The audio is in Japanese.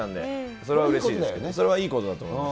それはいいことだと思いま